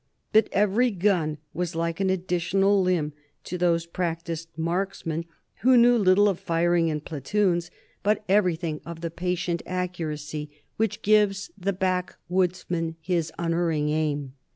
But every gun was like an additional limb to those practised marksmen, who knew little of firing in platoons, but everything of the patient accuracy which gives the backwoodsman his unerring aim.